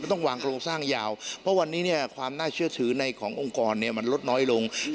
ต้องวางโครงสร้างยาวเพราะวันนี้เนี่ยความน่าเชื่อถือในขององค์กรเนี่ยมันลดน้อยลง